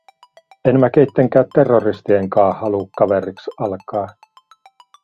En mä keittenkää terroristien kaa haluu kaveriks alkaa!”